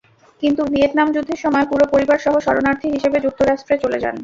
কিন্তু ভিয়েতনাম যুদ্ধের সময় পুরো পরিবারসহ শরণার্থী হিসেবে যুক্তরাষ্ট্রে চলে যান।